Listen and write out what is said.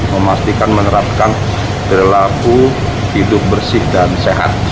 memastikan menerapkan perilaku hidup bersih dan sehat